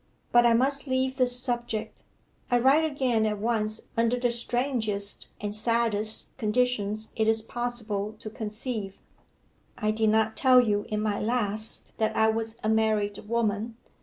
But I must leave this subject. I write again at once under the strangest and saddest conditions it is possible to conceive. 'I did not tell you in my last that I was a married woman.